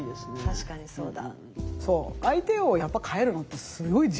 確かにそうだ。